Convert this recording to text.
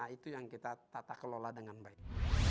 itu yang kita tata kelola dengan baik